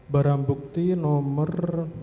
barang bukti nomor